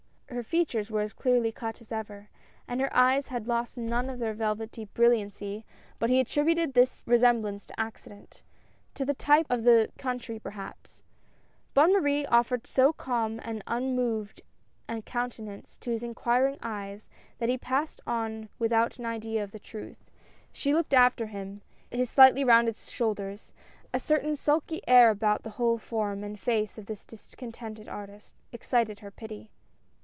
Her features were as clearly cut as ever, and her eyes had lost none of their velvety brilliancy ; but he attributed this resemblance to accident — to the type of the 208 AT LAST. country, possibly. Bonne Marie offered so calm and unmoved a countenance to his inquiring eyes, that he passed on without an idea of the truth. She looked after him ; his slightly rounded shoulders, a certain sulky air about the whole form and face of this discontented artist, excited her pity.